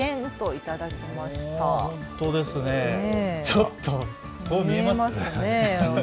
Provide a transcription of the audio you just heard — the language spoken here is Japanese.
ちょっとそう見えますね。